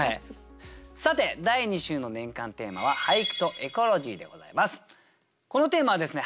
さて第２週の年間テーマはこのテーマはですね